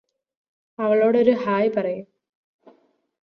അവളോടൊരു hi പറയ്